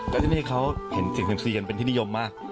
แล้วที่นี่เขาเห็นเสียงเสียงเป็นที่นิยมมาก